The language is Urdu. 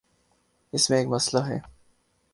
اس میں ایک مسئلہ ہے۔